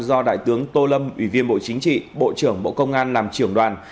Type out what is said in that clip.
do đại tướng tô lâm ủy viên bộ chính trị bộ trưởng bộ công an làm trưởng đoàn